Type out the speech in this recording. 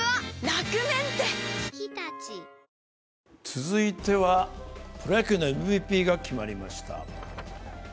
続いてはプロ野球、ＭＶＰが決まりました。